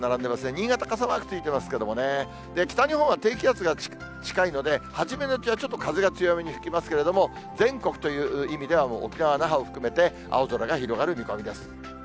新潟傘マークついてますけどもね、北日本は低気圧が近いので、初めのうちはちょっと風が強めに吹きますけれども、全国という意味では、もう沖縄・那覇を含めて、青空が広がる見込みです。